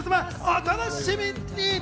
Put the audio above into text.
お楽しみに！